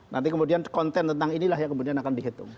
nanti kemudian konten tentang inilah yang kemudian akan dihitung